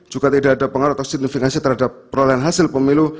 juga tidak ada pengaruh atau signifikansi terhadap perolehan hasil pemilu